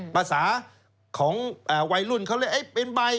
ภาษาของวัยรุ่นเขาเรียกเป็นใบ